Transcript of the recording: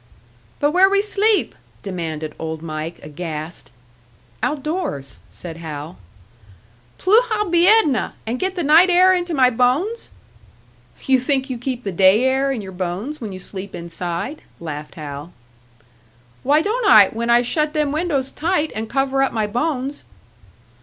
"But where we sleep?" demanded Old Mike, aghast. "Outdoors," said Hal. "Pluha biedna! And get the night air into my bones?" "You think you keep the day air in your bones when you sleep inside?" laughed Hal. "Why don't I, when I shut them windows tight, and cover up my bones?"